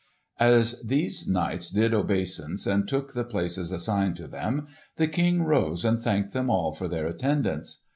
As these knights did obeisance and took the places assigned to them, the King rose and thanked them all for their attendance.